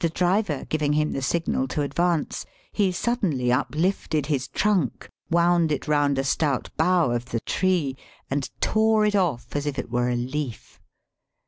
319 driver giving him the signal to advance, he suddenly uplifted his trunk, wound it round a stout bough of the tree, and tore it off as if it were a leaf.